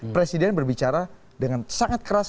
presiden berbicara dengan sangat keras